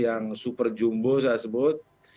yang super jumbo saya sebut